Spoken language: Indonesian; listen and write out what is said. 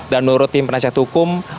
dan menurut tim penasihat hukum